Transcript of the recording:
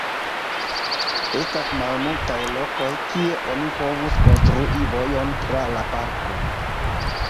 Estas malmultaj lokoj, kie oni povus konstrui vojon tra la parko.